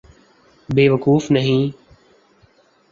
بے وقوف نہیں۔